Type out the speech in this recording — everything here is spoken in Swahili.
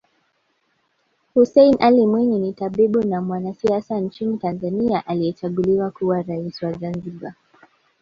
Hussein Ali Mwinyi ni tabibu na mwanasiasa nchini Tanzania aliyechaguliwa kuwa rais wa Zanzibar